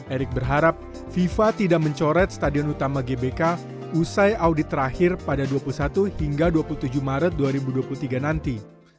erick berharap fifa tidak mencoret stadion utama gbk usai audit terakhir pada dua puluh satu hingga dua puluh tujuh maret dua ribu dua puluh tiga nanti